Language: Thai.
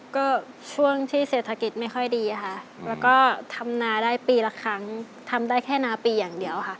ก็ช่วงที่เศรษฐกิจไม่ค่อยดีค่ะแล้วก็ทำนาได้ปีละครั้งทำได้แค่นาปีอย่างเดียวค่ะ